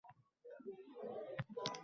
Shuni biling - mag‘lubiyat bu xotima emas